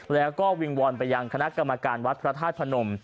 แล้วก็วิงวอนไปยังคณะกรรมการวัดพระธาตุพนม